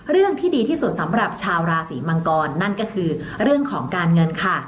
เรื่องที่ดีที่สุดสำหรับชาวราศีมังกรนั่นก็คือเรื่องของการเงินค่ะ